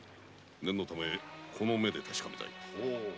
念のためこの目で確かめたい。